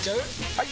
・はい！